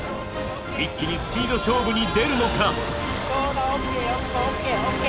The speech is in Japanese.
一気にスピード勝負に出るのか。